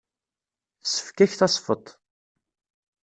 Tessefk-ak tesfeḍt.